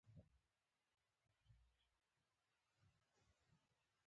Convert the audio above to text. دا د څو ساعتونو لپاره په اوبو کې لامده کړئ په پښتو ژبه.